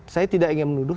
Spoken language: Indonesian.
saya tidak ingin menuduh